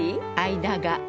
間が。